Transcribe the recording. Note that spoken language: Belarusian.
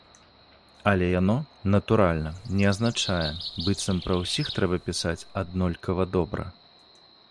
Але яно, натуральна, не азначае, быццам пра ўсіх трэба пісаць аднолькава добра.